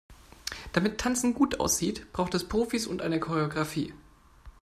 Damit Tanzen gut aussieht, braucht es Profis und eine Choreografie.